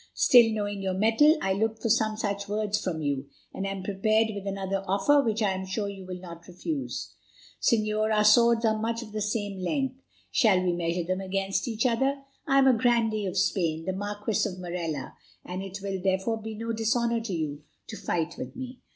Still, knowing your metal, I looked for some such words from you, and am prepared with another offer which I am sure you will not refuse. Señor, our swords are much of the same length, shall we measure them against each other? I am a grandee of Spain, the Marquis of Morella, and it will, therefore, be no dishonour for you to fight with me."